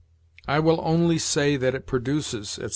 "I will only say that it produces," etc.